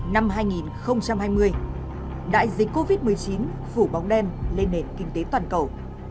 năm hai nghìn hai mươi đại dịch covid một mươi chín phủ bóng đen lên nền kinh tế toàn cầu